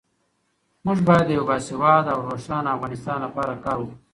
موږ باید د یو باسواده او روښانه افغانستان لپاره کار وکړو.